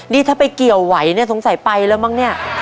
นี่ถ้าไปเกี่ยวไหวเนี่ยสงสัยไปแล้วมั้งเนี่ย